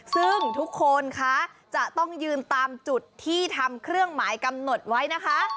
ซึ่งทุกคนคะจะต้องยืนตามจุดที่ทำเครื่องหมายกำหนดไว้นะคะ